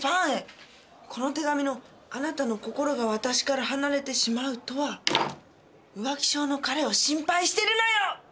この手紙の「貴男の心が私から離れてしまう」とは浮気性の彼を心配してるのよ！